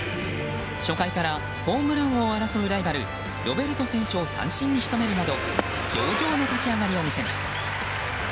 初回からホームラン王を争うライバル、ロベルト選手を三振に仕留めるなど上々の立ち上がりを見せます。